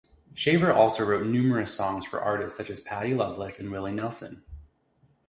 Shaver also wrote numerous songs for artists such as Patty Loveless and Willie Nelson.